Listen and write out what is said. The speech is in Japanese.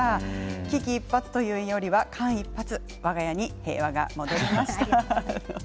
危機一髪というよりは間一髪でわが家に平和が戻りました。